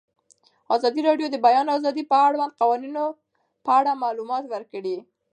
ازادي راډیو د د بیان آزادي د اړونده قوانینو په اړه معلومات ورکړي.